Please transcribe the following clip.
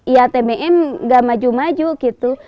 ya tbm nggak maju maju gitu